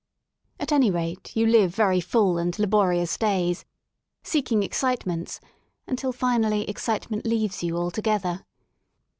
At '} any rate you live very full and laborious days, seeking excitements — until finally excitement leaves you alto I gether.